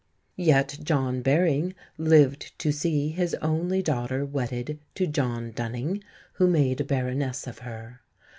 Yet John Baring lived to see his only daughter wedded to John Dunning, who made a Baroness of her.